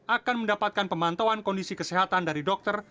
akan mendapatkan pemantauan kondisi kesehatan dari dokter